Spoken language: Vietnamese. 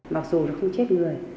mặc dù nó không chết người